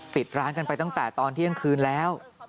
ปิดร้านกันไปตั้งแต่ตอนเที่ยงคืนแล้ว